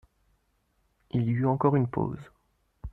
Il y eut encore une pause.